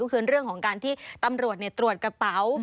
ก็คือเรื่องของการที่ตำรวจตรวจกระเป๋า